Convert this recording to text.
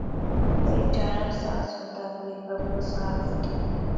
کوئی چارہ ساز ہوتا کوئی غم گسار ہوتا